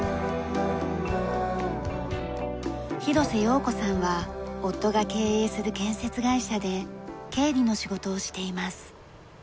廣瀬葉子さんは夫が経営する建設会社で経理の仕事をしています。